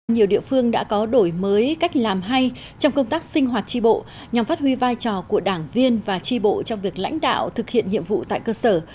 nhiều địa phương đã có đổi mới cách làm hay trong công tác sinh hoạt tri bộ nhằm phát huy vai trò của đảng viên và tri bộ trong việc lãnh đạo thực hiện nhiệm vụ tại cơ sở